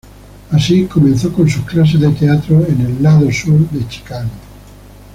Así comenzó con sus clases de teatro en el lado sur de Chicago.